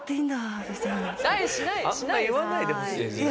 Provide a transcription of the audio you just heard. あんま言わないでほしいですね。